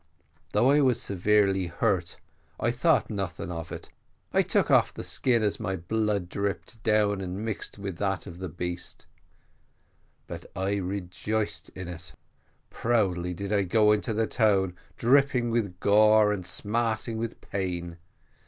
Although I was severely hurt, I thought nothing of it. I took off the skin as my blood dropped down and mixed with that of the beast but I rejoiced in it. Proudly did I go into the town dripping with gore and smarting with pain.